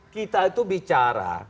kita itu bicara